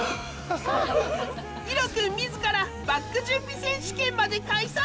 イロくん自らバッグ準備選手権まで開催！